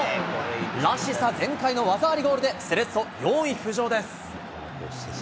らしさ全開の技ありゴールでセレッソ、４位浮上です。